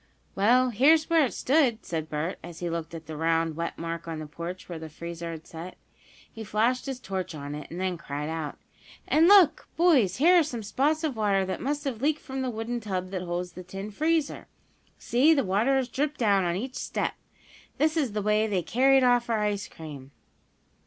"Well, here's where it stood," said Bert, as he looked at the round, wet mark on the porch where the freezer had set. He flashed his torch on it, and then cried out: "And look, boys, here are some spots of water that must have leaked from the wooden tub that holds the tin freezer. See, the water has dripped down on each step! This is the way they carried off our ice cream."